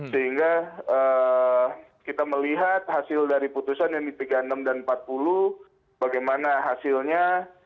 sehingga kita melihat hasil dari putusan yang di tiga puluh enam dan empat puluh bagaimana hasilnya